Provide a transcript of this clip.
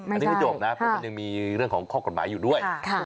อันนี้ไม่จบนะเพราะมันยังมีเรื่องของข้อกฎหมายอยู่ด้วย